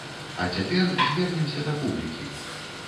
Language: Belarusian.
А цяпер звернемся да публікі.